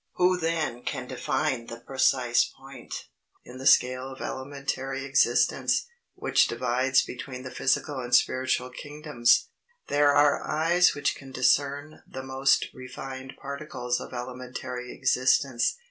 Who then can define the precise point, in the scale of elementary existence, which divides between the physical and spiritual kingdoms? There are eyes which can discern the most refined particles of elementary existence.